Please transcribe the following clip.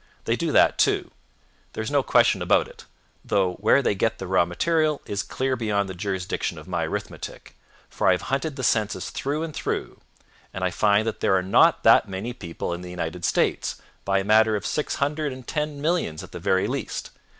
They do that, too there is no question about it; though where they get the raw material is clear beyond the jurisdiction of my arithmetic; for I have hunted the census through and through, and I find that there are not that many people in the United States, by a matter of six hundred and ten millions at the very least.